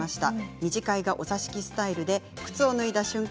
二次会がお座敷スタイルで靴を脱いだ瞬間